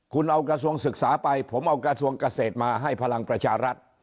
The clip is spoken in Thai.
คุณเอากระทรวงศึกษาไปผมเอากระทรวงเกษตรมาให้พลังประชารัฐ